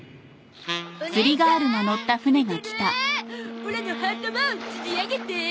オラのハートも釣り上げて！